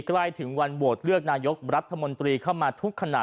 ใกล้ถึงวันโหวตเลือกนายกรัฐมนตรีเข้ามาทุกขณะ